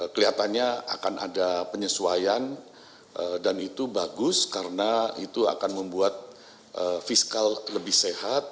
kelihatannya akan ada penyesuaian dan itu bagus karena itu akan membuat fiskal lebih sehat